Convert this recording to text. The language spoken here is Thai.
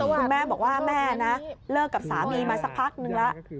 คุณแม่บอกว่าแม่นะเลิกกับสามีมาสักพักนึงแล้ว